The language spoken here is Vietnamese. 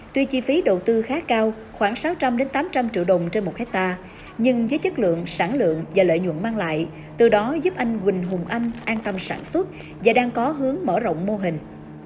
tuy chi phí đầu tư khá cao khoảng sáu trăm linh tám trăm linh triệu đồng trên một hectare nhưng với chất lượng sản lượng và lợi nhuận mang lại từ đó giúp anh quỳnh hùng anh an tâm sản xuất và đang có hướng mở rộng mô hình